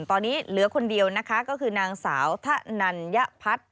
ตอนนี้เหลือคนเดียวนะคะก็คือนางสาวทะนัญญพัฒน์